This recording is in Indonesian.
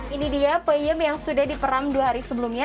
ini dia peyem yang sudah diperam dua hari sebelumnya